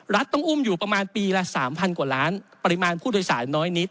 ต้องอุ้มอยู่ประมาณปีละ๓๐๐กว่าล้านปริมาณผู้โดยสารน้อยนิด